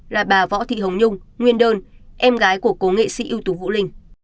là bà võ thị hồng nhung nguyên đơn em gái của cô nghệ sĩ yêu tú vũ linh